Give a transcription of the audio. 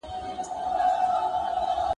وهم ئې چيري ږغ ئې د کومه ځايه راپورته کېږي.